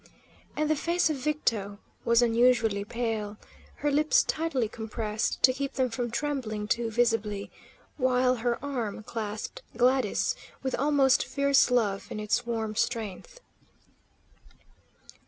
And the face of Victo was unusually pale, her lips tightly compressed to keep them from trembling too visibly, while her arm clasped Gladys with almost fierce love in its warm strength.